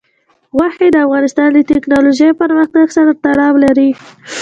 غوښې د افغانستان د تکنالوژۍ پرمختګ سره تړاو لري.